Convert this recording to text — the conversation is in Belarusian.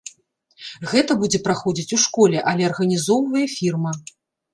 Гэта будзе праходзіць у школе, але арганізоўвае фірма.